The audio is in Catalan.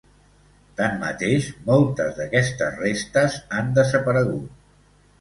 Tanmateix, moltes d’aquestes restes han desaparegut.